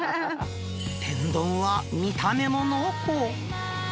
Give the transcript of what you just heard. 天丼は見た目も濃厚。